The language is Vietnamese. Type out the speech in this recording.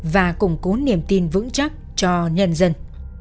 và củng cố niềm tin vững chắc cho nhân dân